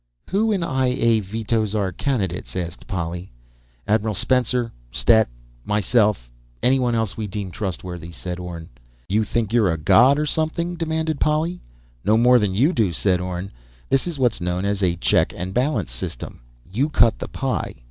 "Who in the I A vetoes our candidates?" asked Polly. "Admiral Spencer, Stet, myself ... anyone else we deem trustworthy," said Orne. "You think you're a god or something?" demanded Polly. "No more than you do," said Orne. "This is what's known as a check and balance system. You cut the pie.